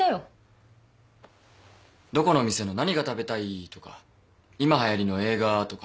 どこのお店の何が食べたいとか今はやりの映画とか。